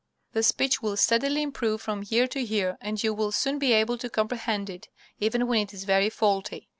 The speech will steadily improve from year to year, and you will soon be able to comprehend it, even when it is very faulty.